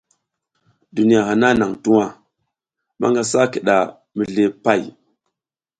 Duniya hana nang tuwa, manga sa kida mizli pay.